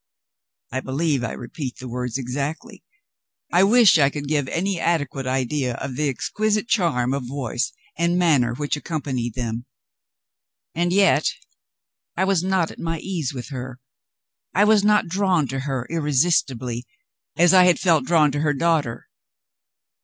I believe I repeat the words exactly. I wish I could give any adequate idea of the exquisite charm of voice and manner which accompanied them. And yet, I was not at my ease with her I was not drawn to her irresistibly, as I had felt drawn to her daughter.